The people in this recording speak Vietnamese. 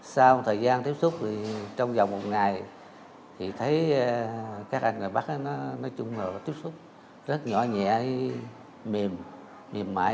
sau thời gian tiếp xúc trong vòng một ngày thì thấy các anh người bắc nói chung là tiếp xúc rất nhỏ nhẹ mềm mềm mại